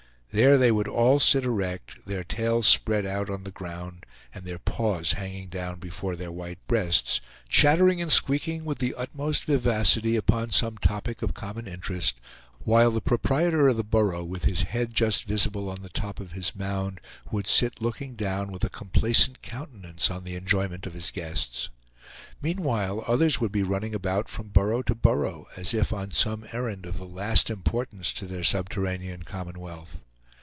There they would all sit erect, their tails spread out on the ground, and their paws hanging down before their white breasts, chattering and squeaking with the utmost vivacity upon some topic of common interest, while the proprietor of the burrow, with his head just visible on the top of his mound, would sit looking down with a complacent countenance on the enjoyment of his guests. Meanwhile, others would be running about from burrow to burrow, as if on some errand of the last importance to their subterranean commonwealth.